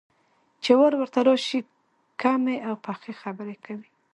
چې وار ورته راشي، کمې او پخې خبرې کوي.